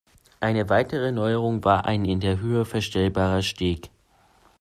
Eine weitere Neuerung war ein in der Höhe verstellbarer Steg.